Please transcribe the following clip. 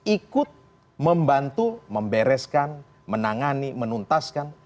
ikut membantu membereskan menangani menuntaskan